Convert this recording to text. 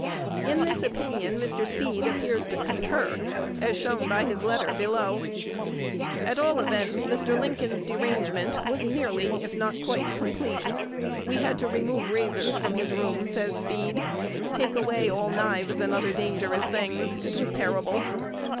In this opinion Mr. Speed appears to concur, as shown by his letter below. At all events, Mr. Lincoln's derangement was nearly, if not quite, complete. "We had to remove razors from his room," says Speed, "take away all knives, and other dangerous things. It was terrible."